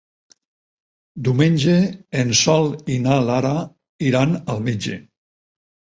Diumenge en Sol i na Lara iran al metge.